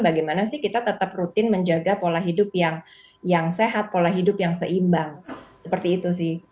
bagaimana sih kita tetap rutin menjaga pola hidup yang sehat pola hidup yang seimbang seperti itu sih